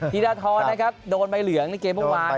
ธีรทรนะครับโดนใบเหลืองในเกมเมื่อวาน